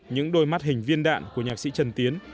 những đôi mắt hình viên đạn của nhạc sĩ trần tiến